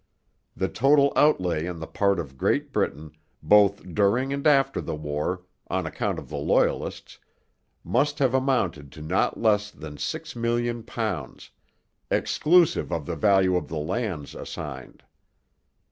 The total outlay on the part of Great Britain, both during and after the war, on account of the Loyalists, must have amounted to not less than 6,000,000 pounds, exclusive of the value of the lands assigned.